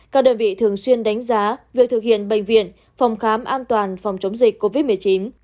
các đơn vị thường xuyên đánh giá việc thực hiện bệnh viện phòng khám an toàn phòng chống dịch covid một mươi chín